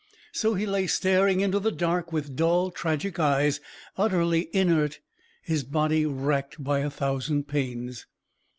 So he lay staring into the dark with dull, tragic eyes, utterly inert, his body racked by a thousand pains.